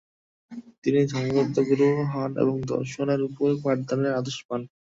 তিনি ধর্মতত্ত্বগুরু হন এবং দর্শন-এর উপর পাঠদানের আদেশ পান।